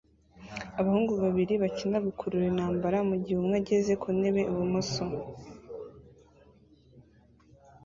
Abahungu babiri bakina gukurura intambara mugihe umwe ageze ku ntebe ibumoso